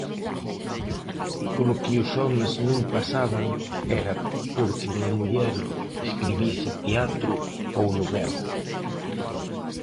Polo que os homes non pasaban era porque unha muller escribise teatro ou novela.